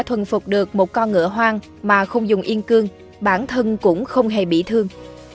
thuần phục được một con ngựa hoang mà không dùng yên cương bản thân cũng không hề bị thương